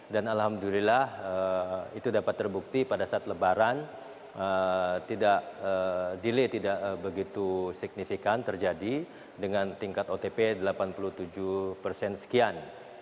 dan alhamdulillah itu dapat terbukti pada saat lebaran delay tidak begitu signifikan terjadi dengan tingkat otp delapan puluh tujuh persen sekian